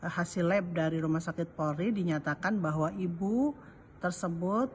hasil lab dari rumah sakit polri dinyatakan bahwa ibu tersebut